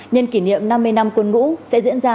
nhân kỷ niệm năm mươi năm quân ngũ sẽ diễn ra